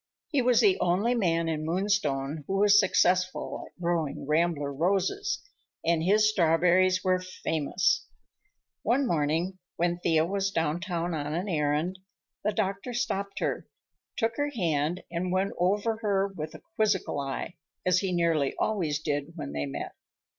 He was the only man in Moonstone who was successful at growing rambler roses, and his strawberries were famous. One morning when Thea was downtown on an errand, the doctor stopped her, took her hand and went over her with a quizzical eye, as he nearly always did when they met.